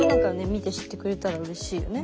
見て知ってくれたらうれしいよね。